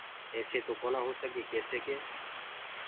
ايسي تو ڪونآ هوسگي ڪيسي ڪي